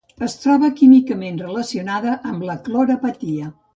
Es troba químicament relacionada amb la clorapatita.